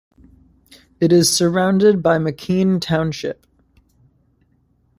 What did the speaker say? It is surrounded by McKean Township.